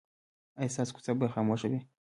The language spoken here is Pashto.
ایا ستاسو کوڅه به خاموشه وي؟